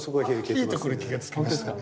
いいところ気がつきましたね。